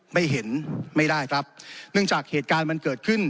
ไม่เห็นไม่ได้ครับเนื่องจากเหตุการณ์มันเกิดขึ้น